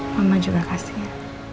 mama juga kasih ya